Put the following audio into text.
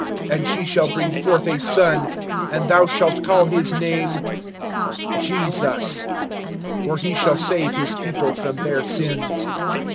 (21)And she shall bring forth a son, and thou shalt call his name Jesus; for he shall save his people from their sins.